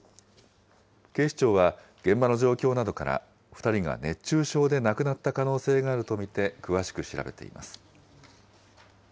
警視庁は現場の状況などから、２人が熱中症で亡くなった可能性があると見て詳しく調べています。